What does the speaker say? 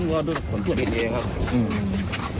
นึกว่าด้วยผลตรวจเองเองครับ